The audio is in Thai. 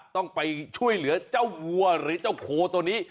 ต้องไปช่วยเหลือเจ้าวัวหรือเจ้าโคตัวนี้